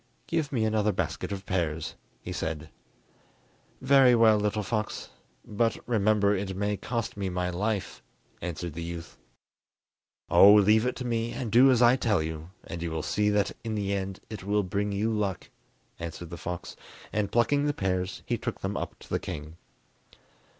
"Give me another basket of pears," he said. "Very well, little fox; but remember it may cost me my life," answered the youth. "Oh, leave it to me, and do as I tell you, and you will see that in the end it will bring you luck," answered the fox; and plucking the pears he took them up to the king.